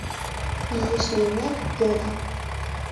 Изиш лиймек, йодо: